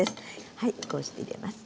はいこうして入れます。